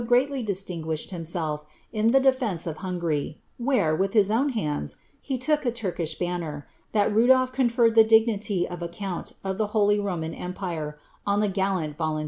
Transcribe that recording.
greatly ilislingujahed himself in the defence of Hungary, where, wiih lot I own iiinds, he look a Turkish banner, ihai Rudolph conferred ihe iif niiy of a count of ihe holy Roman empire oo the gaUaai TolunWt.